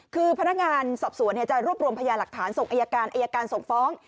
คือพนักงานสอบสวนจะรวบรวมพยาหลักฐานส่งอายการอายการส่งฟ้อง